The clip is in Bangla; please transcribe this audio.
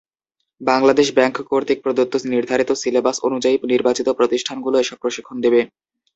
বাংলাদেশ ব্যাংক কর্তৃক প্রদত্ত নির্ধারিত সিলেবাস অনুযায়ী নির্বাচিত প্রতিষ্ঠানগুলো এসব প্রশিক্ষণ দেবে।